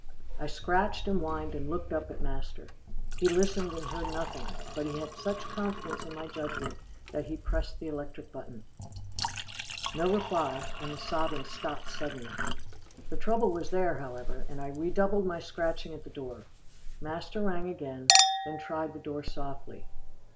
I scratched, and whined, and looked up at master. He listened and heard nothing, but he had such confidence in my judgment, that he pressed the electric button. No reply, and the sobbing stopped suddenly. The trouble was still there, however, and I redoubled my scratching at the door. Master rang again, then tried the door softly.